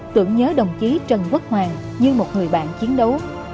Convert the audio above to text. tưởng nhớ đồng chí trần quốc hoàng như một người bạn chiến đấu